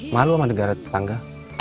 malu sama negara tetangga